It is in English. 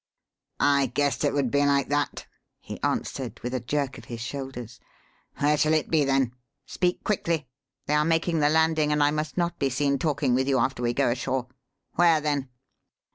"I guessed it would be like that," he answered, with a jerk of his shoulders. "Where shall it be, then? Speak quickly. They are making the landing and I must not be seen talking with you after we go ashore. Where, then?"